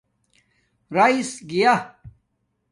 رائس گیا